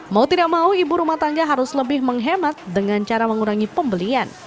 mau tidak mau ibu rumah tangga harus lebih menghemat dengan cara mengurangi pembelian